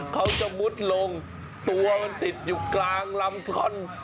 เขาจะมุดลงตัวมันติดอยู่กลางลำท่อน